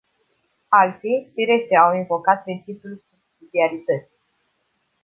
Alții, firește, au invocat principiul subsidiarității.